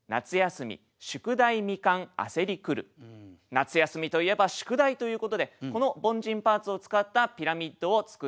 夏休みといえば「宿題」ということでこの凡人パーツを使ったピラミッドを作っていきたいと思います。